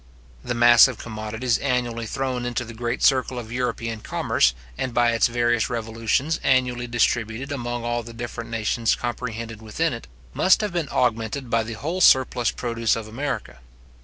The mass of commodities annually thrown into the great circle of European commerce, and by its various revolutions annually distributed among all the different nations comprehended within it, must have been augmented by the whole surplus produce of America.